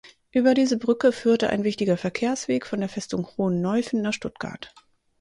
Über diese Brücke führte ein wichtiger Verkehrsweg von der Festung Hohenneuffen nach Stuttgart.